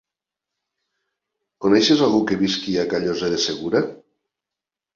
Coneixes algú que visqui a Callosa de Segura?